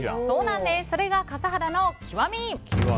それが笠原の極み！